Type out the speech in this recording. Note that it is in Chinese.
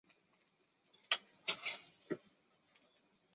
联合国对其他目标在中国的实现表示乐观。